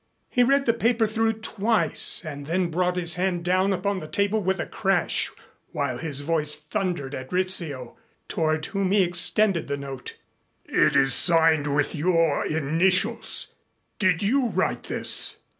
He read the paper through twice and then brought his hand down upon the table with a crash while his voice thundered at Rizzio, toward whom he extended the note. "It is signed with your initials. Did you write this?"